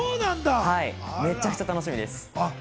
めちゃくちゃ楽しみです。